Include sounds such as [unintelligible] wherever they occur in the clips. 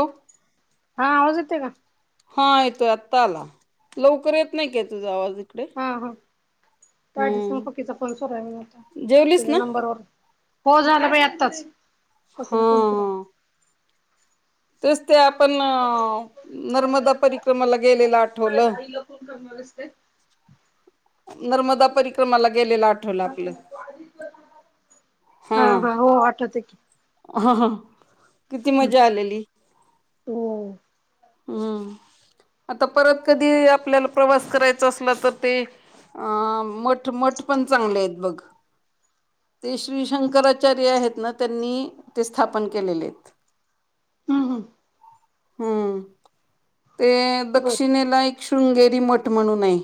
ओ हा आवाज येतोय का? हा येतोय आत्ता आला लवकर येत नाय काय तुझा आवाजई हा हा त्या दिशी [unintelligible] हम्म चा फोन सुरू आहे म्हणून होता जेवलीस तुझ्या ना नंबरवरून हो झालं बाई आत्ताच पुसी हा चां फोन सुरू हाय. हा तेच ते आपण नर्मदा परिक्रमाला गेलेला आठ तु काय आज आईला फोन करणारयेस काय? नर्मदा परिक्रमाला गेलेलं आठवलं आपलं हा हा हो आठवत की, हा हां किती मजा आलेली होय. हम्म आता परत कधी आपल्याला प्रवास करायचा असला त ते अ मठ मठ पण चांगलेयेत बघ ते श्री शंकराचार्य आहेत ना त्यांनी ते स्थापन केलेले येत. [inaudible] हूं हूं हम्म ते बर दक्षिणेला एक शृंगेरी मठ म्हणून आय.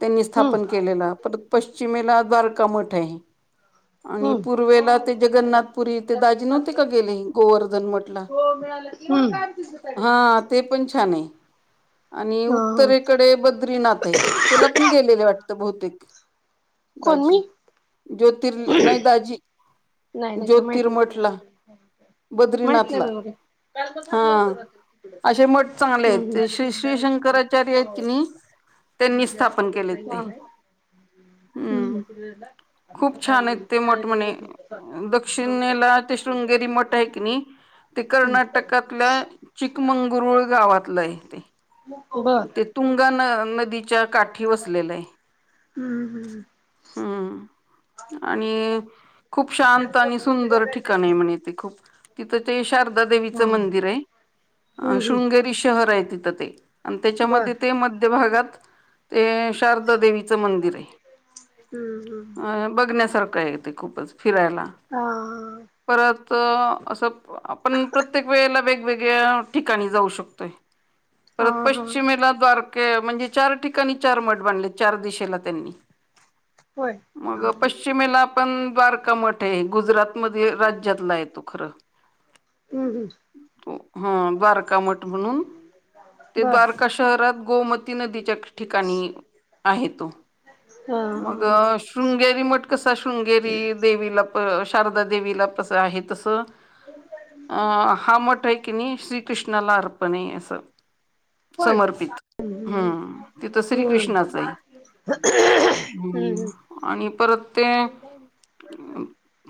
त्यांनी स्थापन हम्म केलेला परत पश्चिमेला द्वारका मठ आहे. आणि हम्म पूर्वेला ते जगन्नाथपुरी ते दाजी नव्हते का गेले गोवर्धन मठला हो मिळालं की हम्म कामं तिज काढीत होती. हा ते पण छान आहे. आणि हा उत्तरेकडे बद्रीनाथ आहे त्याला पण गेलेले वाटत बहुतेक. कोण मी? ज्योतिर्ल, नाही दाजी नाही नाही काय माहित नाही. ज्योतिर्मठला माहित नाही बद्रीनाथला मला काय. [unintelligible] अशे मठ चांगले आहेत, ते श्री श्री शंकराचार्य आहेत की हो नाही. त्यांनी स्थापन केलेत ते. हम्म, आता सकाळी खेळाला. नाही दक्षिणेला ते शृंगेरी मठ आहे की नाही. ते येतो. हम्म कर्नाटकातल्या चिकमंगरूळ गावातलं आहे ते. बर. ते तुंगा न-नदीच्या काठी वसलेलं आहे. हम्म हम्म [inaudible] हम्म, आणि खूप- शांत आणि सुंदर ठिकाण आहे म्हणे ते खूप. तिथं ते शारदा हा देवीचं मंदिर आहे, हम्म हम्म शृंगेरी शहर आहे तिथं ते. आणि बर त्याच्यामध्ये ते मध्यभगात ते- शारदा देवीचं मंदिर आहे. हम्म हम्म अ बघण्यासारखं आहे ते खूपच फिरायला. हा हा. परत असं आपण प्रत्येक वेळेला वेगवेगळ्या ठिकाणी जाऊ शकतोय. हा परत हा पश्चिमेला द्वारके म्हणजे चार ठिकाणी चार मठ बांधले चार दिशेला त्यांनी. होय हा मग हा पश्चिमेला आपण द्वा - रका मठ आहे, गुजरात मध्ये राज्यातला आहे तो खरं. हम्म हम्म तो, हा द्वारकामठ म्हणून. ते बर द्वारका शहरात गोमती नदीच्या ठिकाणी आहे तो. हा हा हा मग शृंगेरी मठ कसा शृंगेरी- देवीला प शारदा देवीला तसं आहे तसं. अ हा मठ आहे की नाही श्रीकृष्णाला अर्पण आहे असं. होय समर्पित, हम्म तिथं हम्म श्रीकृष्णाच आहे. हम्म हम, आणि परत ते-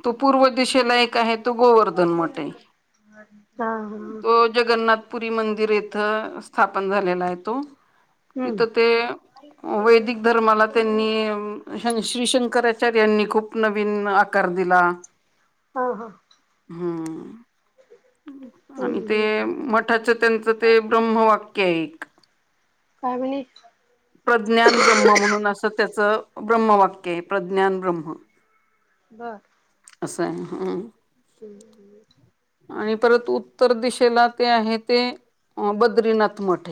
तो पूर्व दिशेला एक आहे तो गोवर्धन मठ आहे. हा हा तो- जगन्नाथपुरी मंदिर येथं स्थापन झालेला आहे तो. हम्म तिथं ते वैदिक धर्माला त्यांनी- श्री शंकराचार्यांनी खूप नवीन आकार दिला. हो हो. हम्म, आणि हम्म ते हम्म मठाच त्यांच- ते ब्रम्ह वाक्य आहे एक. काय म्हने? प्रज्ञान ब्रह्म म्हणून असं त्याचं ब्रह्म वाक्य आहे, प्रज्ञान ब्रह्म. [inaudible] हा. असं आहे, हम्म. हम्म. आणि परत उत्तर दिशेला ते आहे ते बद्रीनाथ मठ.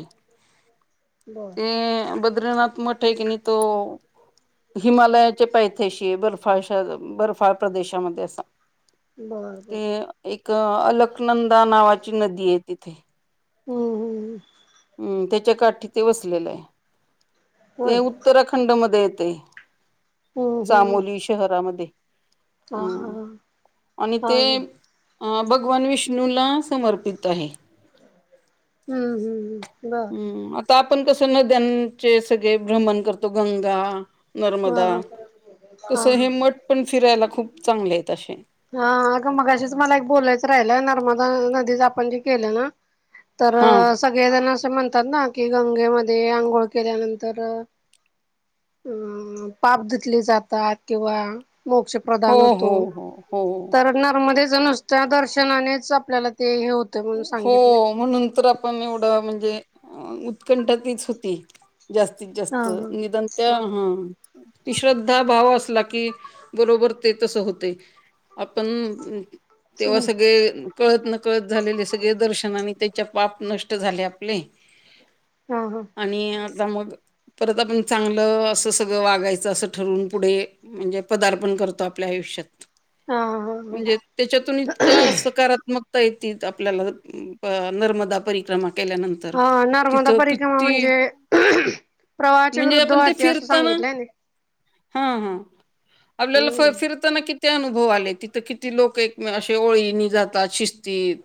बर ते बद्रीनाथ मठ आहे की नाही तो- हिमालयाच्या पायथ्याशी आहे. बर्फा-बर्फाळ प्रदेशामध्ये असा. बर बर ते एक अलकनंदा नावाची नदी आहे तिथे. हम्म हम्. हम् त्याच्या काठी ते वसलेलं आहे. ते होय उत्तराखंड मध्ये येते, हम्म हम्म चामोली शहरामध्ये. हा हा हम्म आणि हा ते भगवान विष्णूला समर्पित आहे. हम्म हम् हम् बर. ह आता आपण कसं नद्यांचे सगळे भ्रमण करतो गंगा, - हा नर्मदा हा तसं हे मठ पण फिरायला खूप चांगले आहेत असे. हा अग मगाशीच मला एक बोलायचं राहिल नर्मदा नदीच आपण जे केलं ना- तर हा सगळेजण असे म्हणतात ना कि गंगेमध्ये आंघोळ केल्यानंतर- अ पापधुतले जातात किंवा मोक्ष हो, प्रधान होतो हो, हो, हो, तर नर्मदेचा नुसत्या दर्शनानेच आपल्याला ते हे हो हो म्हणून तर आपण एवढं म्हणजे उत्कंठातच होती. हा जास्तीत-जास्त हा निदान त्या हा. ती श्रद्धा, भाव असला की बरोबर ते तस होते. आपण तेव्हा चिनी सगळे कळत न कळत झालेले सगळे दर्श तेव्हा मग त्यांचे पाप नष्ट झाले आपले. हो हो. आणि आता मग परत आपण चांगलं असं सगळं वागायचं असं ठरवून पुढे म्हणजे पदार्पण करतो आपल्या आयुष्यात. हा हा हा म्हणजे त्याच्यातून इतकं सकारात्मकता ये त आपल्याला नर्मदा परिक्रमा केल्यानंतर. हा नर्मदा तिथं परिक्रमा किती म्हणजे प्रवाहाच्या म्हणजे विरुद्ध वाहते असं सांगितलंय. हा हा आपल्याला फ हम्म फिर ताना किती अनुभव आले तिथं किती लोक एक असे ओळीनी जातात शिस्तीत.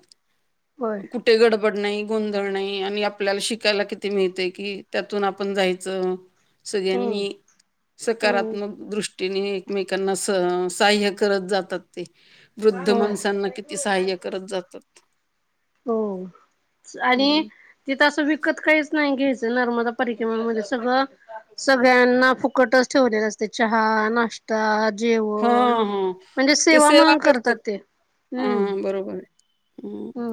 [inaudible] होय [unintelligible] कुठे गडबड नाही गोंधळ नाही आणि आपल्याला शिकायला किती मिळते कि त्यातून आपण जायचं. हम्म सगळ्यांनी हम्म सकारात्मक दृष्ट टीने एकमेकांना सय्य साहय करत जातात ते वृद्ध हो माणसांना कि ति सहाय्य करत जातात. हो, आणि तिथं असं विकत काहीच नाही घ्यायचं नर्मदा परिक्रमामध्ये सगळं सगळ्यांना फुकटच ठेवलेले असते चहा, नाश्ता, - ता, हा जेवण हा म्हणजे सेवा म्हणून करतात ते. हा हम्म बरोबर आहे, हम्म.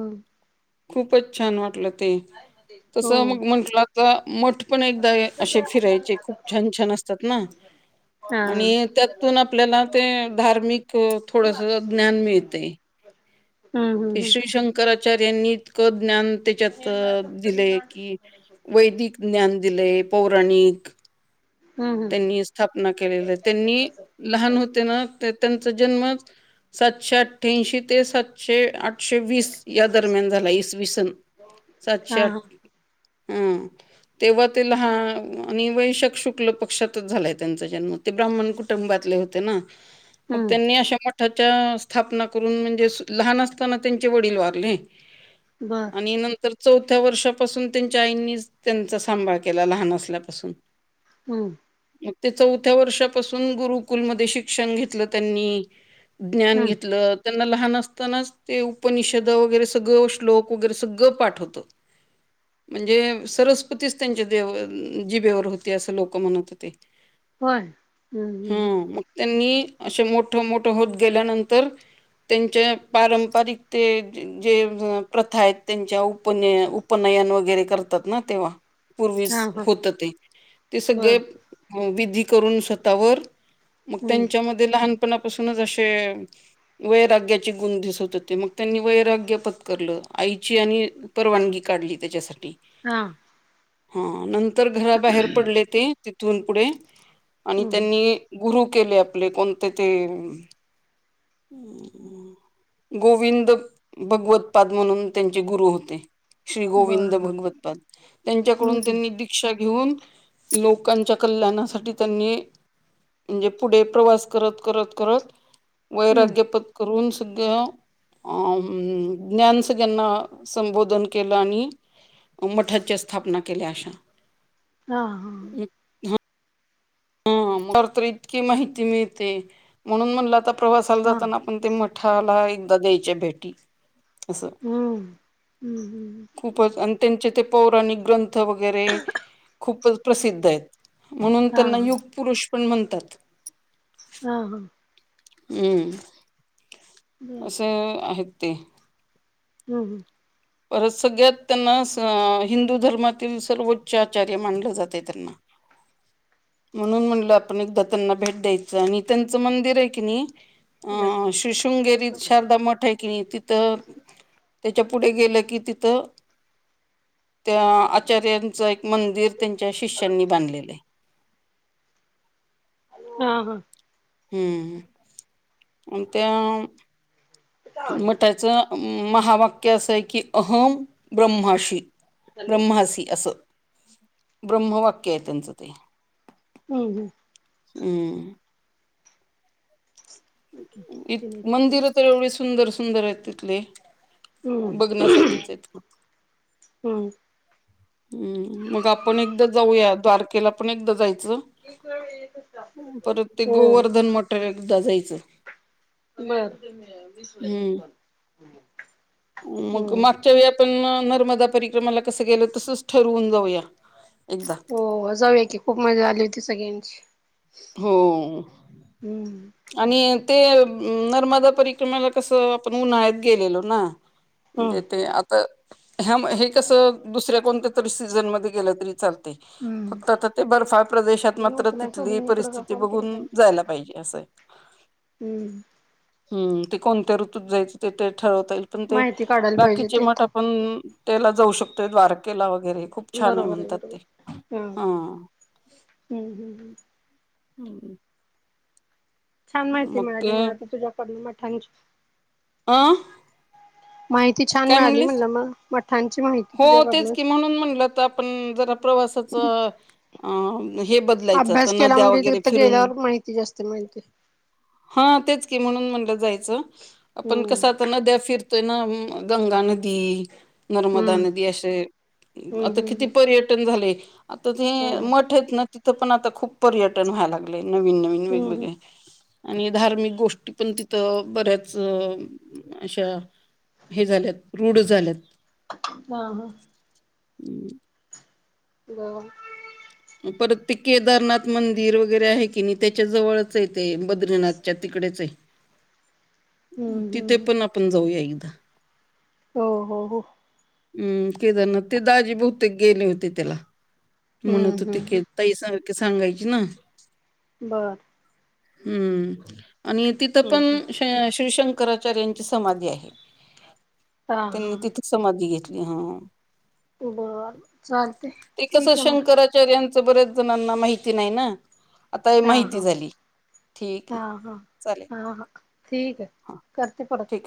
खूपच छान वाटलं ते, तस हो मग म्हटलं तर मठ पण एकदा असे फिरायचे खूप छान-छान असतात ना. हा आणि त्यातून आपल्याला ते धार्मिक थोडस ज्ञान मिळते. हम्म ति हम्म श्री शंकराचार्यांनी क इतकं ज्ञान त्याच्यात दिले की वैदिक ज्ञान दिले, पौराणिक, - हम्म हम्म हम्म त्यांनी स्थापना केलेली त्यांनी लहान होते ना. त्यांचा जन्म सातशे अठ्ठ्याशी ते सातशे आठ आठशे वीस या दरम्यान झाला इसवी सन सातशे हा आठ. हा हम तेव्हा ते लहान आणि वय‌ शक-शुक. कुठ पक्षातच झालाय त्यांचा जन्म ते ब्राहमण कुटुंबातले होते ना मग हम्म त्यांनी अशा स्थापना करून म्हणजे लहान असताना त्यांचे वडील वारले. बर. आणि नंतर चौथ्या वर्षापासून त्यांच्या आईंनीच त्यांचा सांभाळ केला लहान असल्यापासून. हम्म. मग ते चौथ्या वर्षापासून गुरुकुलमध्ये शिक्षण घेतलं त्यांनी, - ज्ञान हम्म घेतलं. त्यांना लहान असतानाच ते उपनिषद वगैरे सगळं श्लोक वगैरे सगळं पाठ होत. म्हणजे सरस्वतीच त्यांच्या दे जीभेवर होती असं लोक क म्हणत होती होय हम्म ह हम्म हम्म. मग. त्यांनी असे मोठ-मोठं होत गेल्यानंतर. त्यांच्या पारंपरिक ते जे प्रथा आहेत त्यांच्या उपन उपनयन वगैरे करतात ना तेव्हा हा पूर्वीस हा होत ते. ते बर सगळे विधी करून स्वतःवर मग हम्म त्यांच्या म ते लहानपणापासूनच असे वैराग्याचे गुण दिसत होते मग त्यांनी वैराग्य पत्करलं आईची आणि परवानगी काढली त्याच्यासाठी. हा. हा नंतर घराबाहेर पडले ते तिथून पुढे आणि हम्म त्यांनी गुरु केले आपले कोणते ते गोविंद भगवतपाद म्हणून त्यांचे गुरु होते. श्री बर गोविंद बर भगवतपाद, त्यांच्याकडून हम्म त्यांनी शिक्षा घेऊन लोकांच्या कल्याणासाठी त्यांनी म्हणजे पुढे प्रवास करत, करत, करत हम्म हम्म. वैराग्यपद करून सगळ्या. अ ज्ञानचं ज्यांना संबोधन केलं आणि मठाच्या स्थापना केल्या अशा. हा हा. ह तर इतकी माहिती मिळते म्हणून म्हणला आता प्रवासाला हा जाताना पण ते मठाला एकदा द्यायचे भेटी असं. हम्म हम्म हम्म [inaudible] खूपच आणि त्यांचे ते पौराणिक ग्रंथ वगैरे खूपच प्रसिद्ध आहेत म्हणून हा त्यांना युग हा पुरुष पण म्हणतात. हा हा. हम्म, बर असं आहेत ते. हम हं. परत सगळ्यात त्यांना असं हिंदू धर्मातील सर्वोच्च आचार्य मानले जाते त्यांना. [inaudible] म्हणून म्हणलं आपण एकदा त्यांना भेट द्यायचं आणि त्यांचं मंदिर आहे की नाही अ शशृंगेरी शारदा मठ आहे की तिथं त्याच्या पुढे गेलं की तिथ त्या आचार्यांच एक मंदिर. त्यांच्याशी शनी बांधलेले. हा हा. हम्म, अन त्यां मठाचं, महावाक्य असं य की, अहम ब्रह्माशी. ब्रह्मासी, असं ब्रह्म वाक्य ये, त्यांचं ते. हम् हम्. हम्. इत, मंदिर त एवढे, सुंदर-सुंदर येत तिथले. हम्म बघण्यासारखेच येत. हम्म. हम्म मग आपण एकदा जाऊयात, द्वारकेला पण एकदा जायचं. परत ते हो. गोवर्धन मटर, एकदा जायचं. बर. मंग हम्म मात. ते वे आपण नर्मदा परिक्रमाला कसं गेलं, तसच ठरवून जाऊया, एकदा. हो जाऊया की, खूप मजा आली होती, सगळ्यांची. हो. हम्म. आणि ते नर्मदा परिक्रमाला कसं, आपण उन्हाळ्यात गेलेलो ना? हम्म म्हणजे ते आता ह्या म, हे कसं दुसऱ्या कोणत्या तरी सीझनमध्ये, गेलं तरी चालतय. हम्म फक्त आता, ते बर्फाळ प्रदेशात, तिने मात्र उचलाय तिथली सोडून इकडं का परिस्थिती कॉल केला बघून, काय माहित जायला पाहिजे असंय. हम्म. हम्म, ते कोणत्या ऋतूत जायचं, ते ते ठरवता येईल, पण ते माहिती काढायला पाहिजे बाकीचे ते मठा आता पण त्याला जाऊ शकतोय, द्वारकेला वगैरे. खूप छान ये बरोबर आहे म्हणतात ते, बरोबर हा हं. हम्म ह्म हम्. हम् ह्म. छान माहिती ते मिळाली, मला ती तुझ्याकडुन मठांची. अं? माहिती छान काय मिळाली म्हणलीस? म्हणल म, मठांची माहि हो तेच की, म्हणून म्हणलं त, पण जरा प्रवासाचं अं हे बद अभ्यास केला, म्हणजे तिथं गेल्यावर माहिती जास्त मिळते. हा तेच की, म्हणून म्हणलं जायचं, पण हम्म कसं आता नद्या फिर ते ना, गंगा नदी, नर्म दा हम्म नदी अशे, हम्म आता किती हम्म पर्यटन झाले, आता ते हो मठ येत ना, ति थ पण आता खूप पर्यटन व्हायला लागले, नवीन-नवीन, वेग-वेगळे. आणि धार्मिक गोष्टी पण तिथं, बऱ्याच अशा हे झाल्यात, रुढ झाल्यात. वा ह. [inaudible] वा. [unintelligible] म परत ते केदारनाथ मंदिर वगैरे आहे की नाही, त्याच्या जवळ च ये ते, बद्रीनाथच्या तिकडेच ये. हम्म तिथे हम्म पण आपण जाऊया एकदा. हो हो हो. हम्म केदारनाथ, ते दाजी बहुतेक गेले होते त्याला. म्हणत हम्म होते के हम्म ताई सारखी सांगायची ना? बर. हम्म आणि तिथं पण हम्म हे शिव शंकराचार्यांची तिथे समाधी आहे, हा हा त्यांनी तिथे समाधी घेतली हा. बर चालतंय. कस शंकराचार्यांच बऱ्याच जणांना माहिती नाही ना? आता हे हा माहिती हा झाली. ठीक हा आहे हा, चालेल हा हा ठीक आहे हा करते परत. ठीक आहे